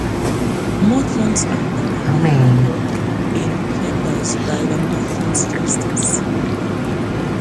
Motions are normally handled in chambers by a motions justice.